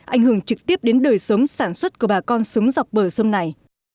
ảnh hưởng trực tiếp đến đời sống sản xuất của bà con sống dọc bờ sông này